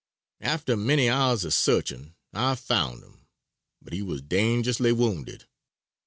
After many hours of searching I found him, but he was dangerously wounded.